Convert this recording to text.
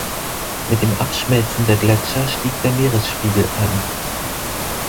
Mit dem Abschmelzen der Gletscher stieg der Meeresspiegel an.